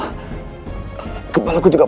setiap mes ayam